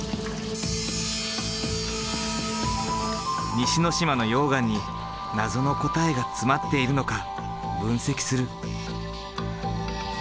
西之島の溶岩に謎の答えが詰まっているのか分析する。